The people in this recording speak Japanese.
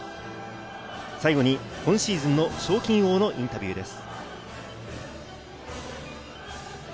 最後に今シーズンの賞金王のインタビューです。